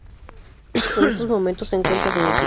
En estos momentos se encuentra sin equipo.